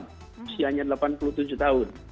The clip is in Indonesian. usianya delapan puluh tujuh tahun